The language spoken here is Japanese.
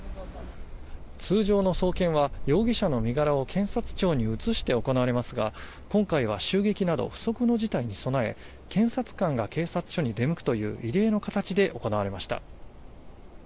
通常の送検は容疑者の身柄を検察庁に移して行われますが今回は襲撃など不測の事態に備え検察官が警察署に出向くという異例の形で行われました。